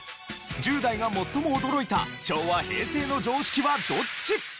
１０代が最も驚いた昭和・平成の常識はどっち？